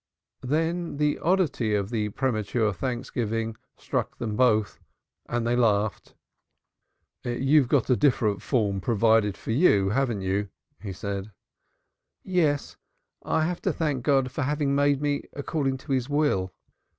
Then the oddity of the premature thanksgiving struck them both and they laughed. "You've got a different form provided for you, haven't you?" he said. "Yes, I have to thank God for having made me according to His will."